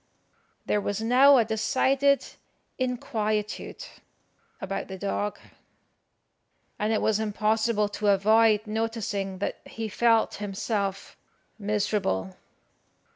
There was now a decided inquietude about the dog, and it was impossible to avoid noticing that he felt himself miserable.